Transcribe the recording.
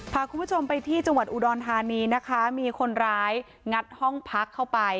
พาคุณผู้ชมไปที่จังหวัดอุดรธานีนะคะมีคนร้ายงัดห้องพักเข้าไป